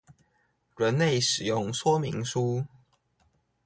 人類使用說明書